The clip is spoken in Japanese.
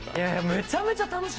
めちゃめちゃ楽しい。